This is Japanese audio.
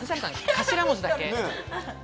頭文字だけ。